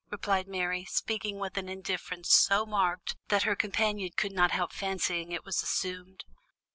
replied Mary, speaking with an indifference so marked that her companion could not help fancying it was assumed.